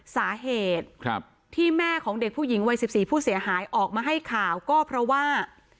สาเหตุที่แม่ของเด็กผู้หญิงวัย๑๔ผู้เสียหายออกมาให้ข่าวก็เพราะว่า